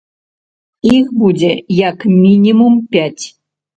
Іх будзе як мінімум пяць.